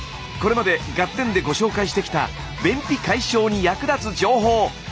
これまで「ガッテン！」でご紹介してきた便秘解消に役立つ情報！